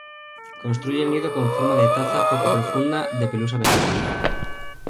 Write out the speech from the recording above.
Construye el nido con forma de taza poco profunda de pelusa vegetal.